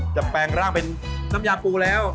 แปลงร่างเป็นน้ำยาปูแล้ว